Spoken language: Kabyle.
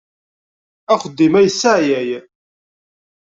Axeddim-a yesseɛyay.